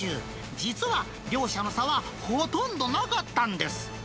実は両者の差はほとんどなかったんです。